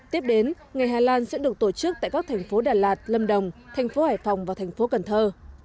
tiếp đến ngày hà lan sẽ được tổ chức tại các thành phố đà lạt lâm đồng thành phố hải phòng và thành phố cần thơ